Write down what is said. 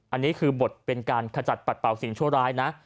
อันนี้คือบทเป็นการขจัดปัดเป่าสิ่งชั่วร้ายนะ